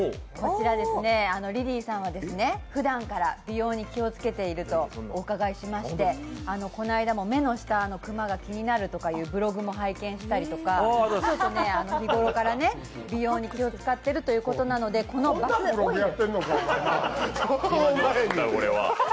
リリーさんはふだんから美容に気をつけているとお伺いしましてこの間も目の下のクマが気になるというブログも拝見したりして日頃から美容に気を遣っているということなのでこのバスオイル。